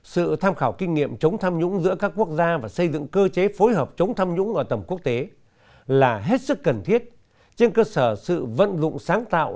sự tham khảo kinh nghiệm chống tham nhũng giữa các quốc gia và xây dựng cơ chế phối hợp chống tham nhũng ở tầm quốc tế là hết sức cần thiết trên cơ sở sự vận dụng sáng tạo